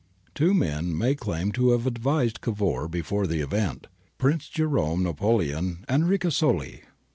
Two men may claim to have advised Cavour before the event. Prince Jerome Napoleon and Ricasoli.